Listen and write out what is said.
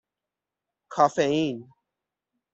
کافئین